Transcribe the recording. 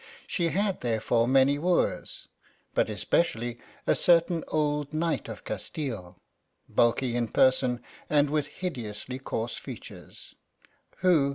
She had there fore many wooers, but especially a certain old kniglit of Castile (bulky in person, and with hideously coarse features), who.